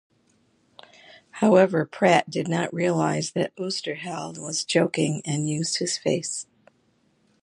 However, Pratt did not realize that Oesterheld was joking, and used his face.